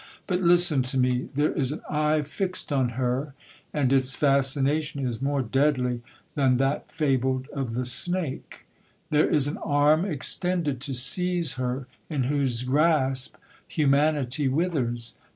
But listen to me,—there is an eye fixed on her, and its fascination is more deadly than that fabled of the snake!—There is an arm extended to seize her, in whose grasp humanity withers!